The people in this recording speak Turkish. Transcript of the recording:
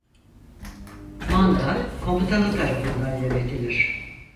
Manga komutanı tarafından yönetilir.